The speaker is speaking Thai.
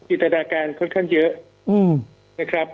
อิตราการค่อนข้างเยอะ